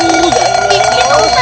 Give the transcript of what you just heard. ini punya apaan sih